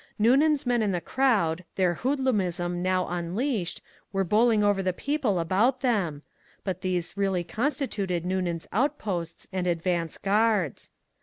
Noonan's men in the crowd, their hoodlumism now unleashed, were bowling over the people about them; but these really constituted Noonan's outposts and advance guards.